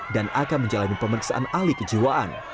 dan akan menjalani pemeriksaan ahli kejiwaan